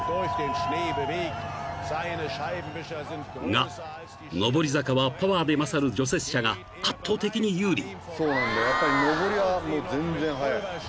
［が上り坂はパワーで勝る除雪車が圧倒的に有利］